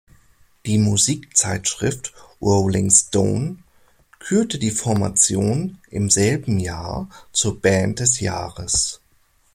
Die Musikzeitschrift "Rolling Stone" kürte die Formation im selben Jahr zur Band des Jahres.